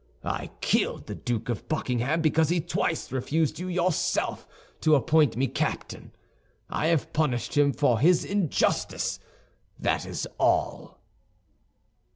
I killed the Duke of Buckingham because he twice refused you yourself to appoint me captain; I have punished him for his injustice, that is all."